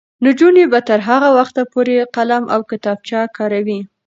نجونې به تر هغه وخته پورې قلم او کتابچه کاروي.